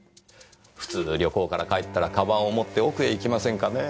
普通旅行から帰ったら鞄を持って奥へ行きませんかねぇ。